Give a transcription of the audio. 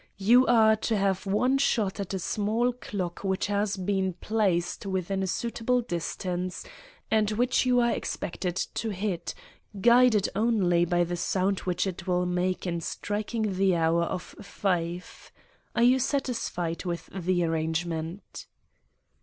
You are to have one shot at a small clock which has been placed within a suitable distance, and which you are expected to hit, guided only by the sound which it will make in striking the hour of five. Are you satisfied with the arrangement?"